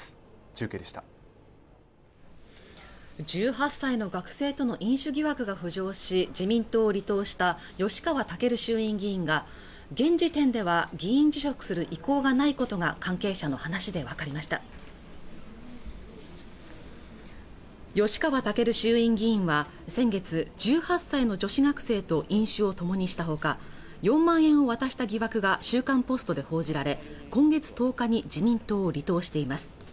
中継でした１８歳の学生との飲酒疑惑が浮上し自民党を離党した吉川赳衆院議員が現時点では議員辞職する意向がないことが関係者の話で分かりました吉川赳衆院議員は先月１８歳の女子学生と飲酒を共にしたほか４万円を渡した疑惑が「週刊ポスト」で報じられ今月１０日に自民党を離党しています